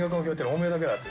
「お前だけだ」って。